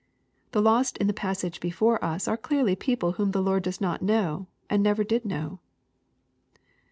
The lost in the passage before ua are clearly people whom the Lord does not know, and never did know.